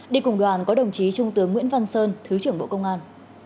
đi cùng đoàn có đồng chí trung tướng nguyễn văn sơn thứ trưởng bộ công an